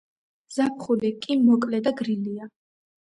ზაფხული კი მოკლე და გრილია.